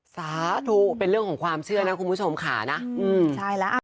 สาธุเป็นเรื่องของความเชื่อนะคุณผู้ชมค่ะนะอืมใช่แล้วอ่ะ